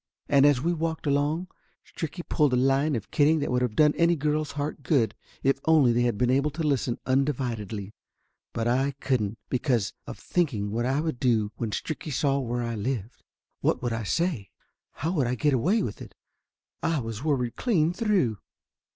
And as we walked along Stricky pulled a line of kid 32 Laughter Limited ding that would of done any girl's heart good if only they had been able to listen undividedly. But I couldn't, because of thinking what would I do when Stricky saw where I lived ? What would I say ? How would I get away with it? I was worried clean through.